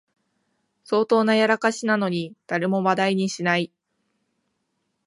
相当なやらかしなのに誰も話題にしない